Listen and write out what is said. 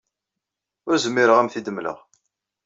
Ur zmireɣ ad am-t-id-mleɣ.